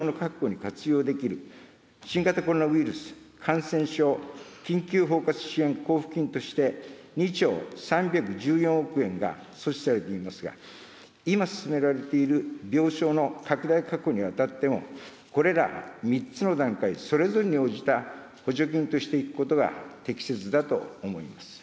今回の経済対策にも、都道府県による病床の確保に活用できる新型コロナウイルス感染症緊急包括支援交付金として、２兆３１４億円が措置されていますが、今進められている病床の拡大確保にあたっても、これら３つの段階それぞれに応じた補助金としていくことが適切だと思います。